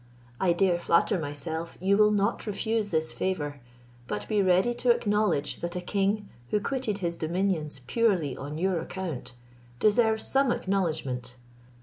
I dare flatter myself you will not refuse this favour, but be ready to acknowledge that a king, who quitted his dominions purely on your account, deserves some acknowledgment.